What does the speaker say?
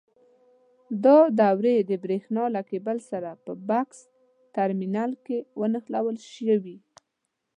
دا دورې د برېښنا له کېبل سره په بکس ټرمینل کې نښلول شوي.